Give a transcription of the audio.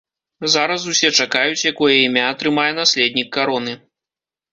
Зараз усе чакаюць, якое імя атрымае наследнік кароны.